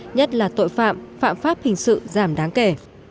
nhất là tội phạm phạm pháp hình sự giảm đáng kể